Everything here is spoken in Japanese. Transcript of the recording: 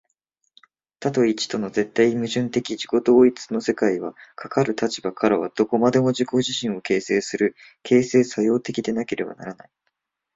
多と一との絶対矛盾的自己同一の世界は、かかる立場からはどこまでも自己自身を形成する、形成作用的でなければならない。